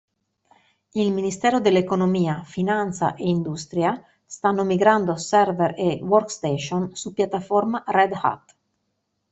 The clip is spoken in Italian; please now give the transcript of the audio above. Il Ministero dell'Economia, Finanza e Industria, stanno migrando server e workstation su piattaforma Red Hat.